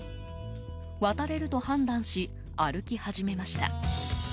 渡れると判断し歩き始めました。